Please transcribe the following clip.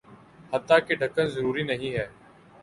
حتٰیکہ ڈھکن ضروری نہیں ہیں